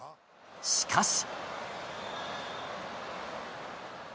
しかし。